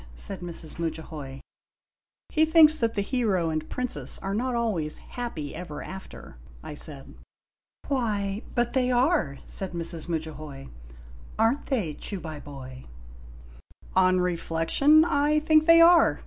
said Mrs. Mudjahoy. "He thinks that the hero and princess are not always 'happy ever after,' ' I said. "Why, but they a re /"said Mrs. Mudjahoy. "Are n't they, Chubaiboy ?"" On reflection, I think they are